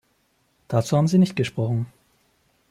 Dazu haben Sie nicht gesprochen.